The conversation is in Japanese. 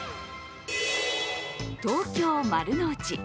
東京・丸の内。